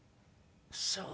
そう。